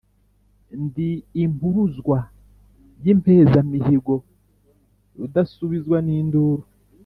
ndi impuruzwa y'impezamihigo, rudasubizwa n'induru,